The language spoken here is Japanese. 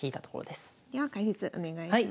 では解説お願いします。